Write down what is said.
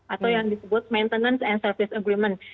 atau yang disebut maintenance and service agreement